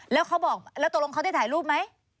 แล้วตรงนั้นเขาได้ถ่ายรูปไหม